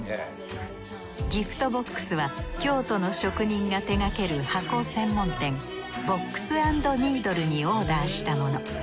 ギフトボックスは京都の職人が手がける箱専門店ＢＯＸ＆ＮＥＥＤＬＥにオーダーしたもの。